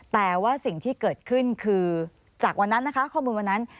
แต่ว่าสิ่งที่เกิดขึ้นคือจากวันนั้นนะคะข้อมูลวันนั้น